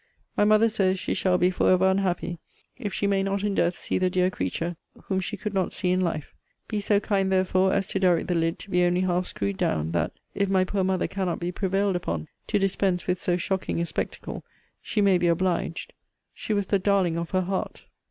My mother says she shall be for ever unhappy, if she may not in death see the dear creature whom she could not see in life. Be so kind, therefore, as to direct the lid to be only half screwed down that (if my poor mother cannot be prevailed upon to dispense with so shocking a spectacle) she may be obliged she was the darling of her heart!